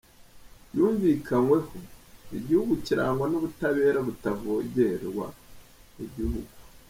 yumvikanyweho; igihugu kirangwa n’ubutabera butavogerwa; igihugu